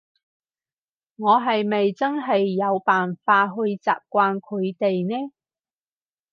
我係咪真係有辦法去習慣佢哋呢？